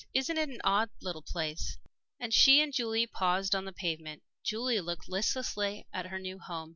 "Isn't it an odd little place?" And as she and Julie paused on the pavement, Julie looked listlessly at her new home.